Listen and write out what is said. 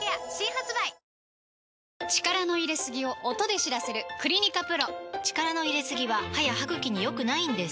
力の入れすぎを音で知らせる「クリニカＰＲＯ」力の入れすぎは歯や歯ぐきに良くないんです